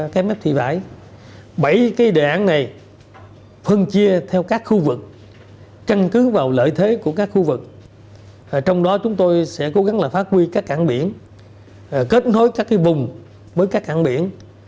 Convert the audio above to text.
bảy cái đảng này phân chia theo các khu vực căn cứ vào lợi thế của các khu vực trong đó chúng tôi sẽ cố gắng là phát huy các cảng biển kết nối các cái vùng với các cảng biển